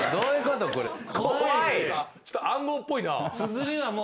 ちょっと暗号っぽいな。